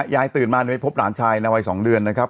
ยายตื่นมาไปพบหลานชายในวัย๒เดือนนะครับ